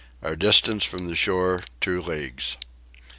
Our distance from the shore two leagues.